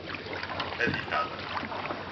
aditada